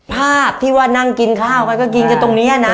ภาพที่ว่านั่งกินข้าวกันก็กินกันตรงนี้นะ